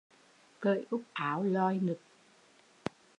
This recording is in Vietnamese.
Cởi cúc áo lòi ngực